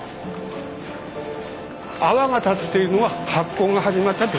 泡が立つというのは発酵が始まったってこと。